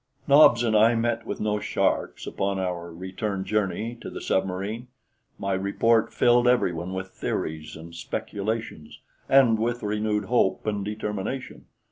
Nobs and I met with no sharks upon our return journey to the submarine. My report filled everyone with theories and speculations, and with renewed hope and determination.